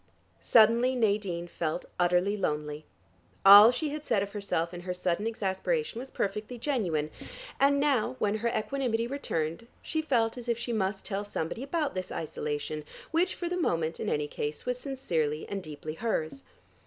Suddenly Nadine felt utterly lonely. All she had said of herself in her sudden exasperation was perfectly genuine, and now when her equanimity returned, she felt as if she must tell somebody about this isolation, which for the moment, in any case, was sincerely and deeply hers.